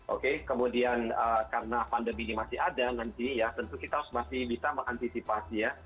oke kemudian karena pandemi ini masih ada nanti ya tentu kita harus masih bisa mengantisipasi ya